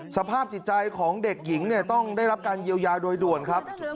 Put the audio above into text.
สภาพจิตใจของเด็กหญิงเนี่ยต้องได้รับการเยียวยาโดยด่วนครับ